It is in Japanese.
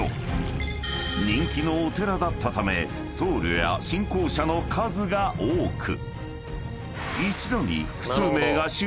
［人気のお寺だったため僧侶や信仰者の数が多く］